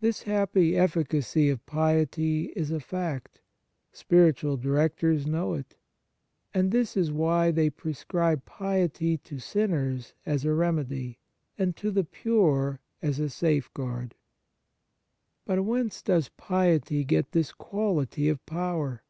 This happy efficacity of piety is a fact. Spiritual directors know it ; and this is why they prescribe piety to sinners as a remedy, and to the pure as a safeguard. But whence does piety get this quality of power